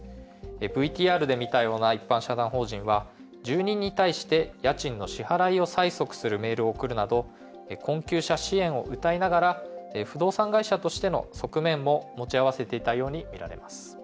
ＶＴＲで見たような一般社団法人は、住人に対して家賃の支払いを催促するメールを送るなど困窮者支援をうたいながら不動産会社としての側面も持ち合わせていたようにみられます。